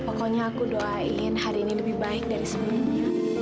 pokoknya aku doain hari ini lebih baik dari sebelumnya